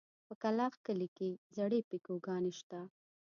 په کلاخ کلي کې زړې پيکوگانې شته.